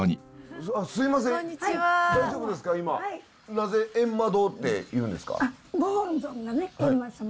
なぜゑんま堂っていうんですか？